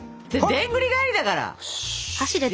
でんぐり返しだからそれ。